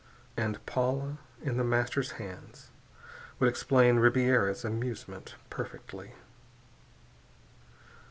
And Paula in The Master's hands would explain Ribiera's amusement perfectly.